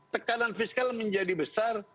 tekanan fiskal menjadi besar